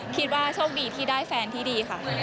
คิดว่าโชคดีที่ได้แฟนที่ดีค่ะ